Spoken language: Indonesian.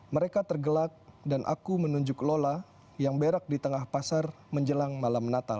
mereka tergelak dan aku menunjuk lola yang berak di tengah pasar menjelang malam natal